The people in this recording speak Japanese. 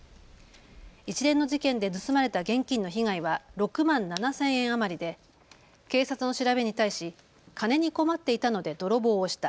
一連の事件で盗まれた現金の被害は６万７０００円余りで警察の調べに対し金に困っていたので泥棒をした。